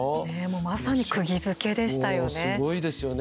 まさにくぎづけでしたよね。